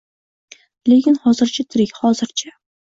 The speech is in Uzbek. — Lekin hozircha tirik, hozircha!